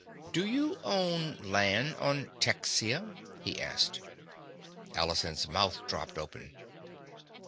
"Do you own land on Texia?" he asked. Allison's mouth dropped open.